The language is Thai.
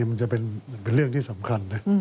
มันจะเป็นเรื่องที่สำคัญนะ